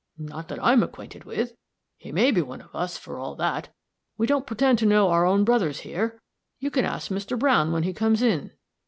"Not that I am acquainted with. He may be one of us, for all that. We don't pretend to know our own brothers here. You can ask Mr. Browne when he comes in."